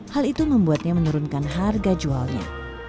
hal itu membuatnya menurunkan harga jualnya